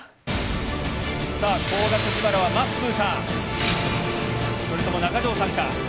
さあ、高額自腹はまっすーか、それとも中条さんか。